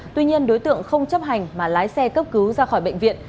tuy nhiên đối tượng không chấp hành mà lái xe cấp cứu ra khỏi bệnh viện